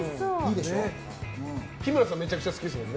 日村さん、めちゃくちゃ好きですもんね。